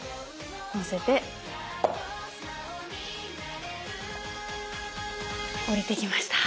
のせて降りてきました。